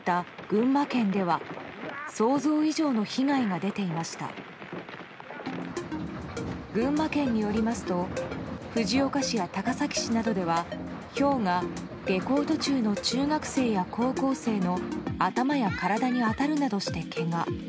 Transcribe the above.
群馬県によりますと藤岡市や高崎市などではひょうが下校途中の中学生や高校生の頭や体に当たるなどしてけが。